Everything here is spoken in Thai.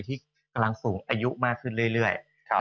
ที่กำลังสูงอายุมากขึ้นเรื่อย